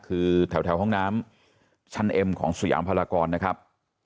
คือแถวห้องน้ำชั้นเอ็มของสยามพลากรนะครับ